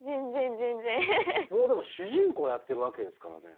もうでも主人公をやってるわけですからね。